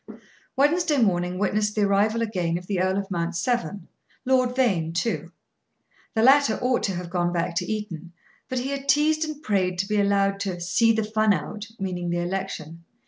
Wednesday morning witnessed the arrival again of the Earl of Mount Severn. Lord Vane, too. The latter ought to have gone back to Eton, but he had teased and prayed to be allowed to "see the fun out," meaning the election.